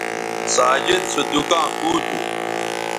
ساجد سو دُکاں کُو تھو